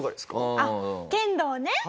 あっ剣道ね。